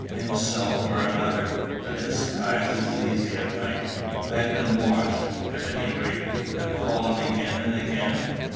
"Himself or another. A disguise is easy at night. I have been watched, at any rate, and followed again and again."